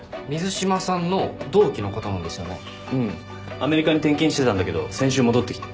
アメリカに転勤してたんだけど先週戻ってきて。